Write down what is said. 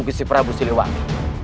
guci prabu si luwangi